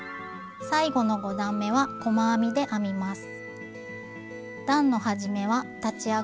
最後の５段めは細編みで編みます。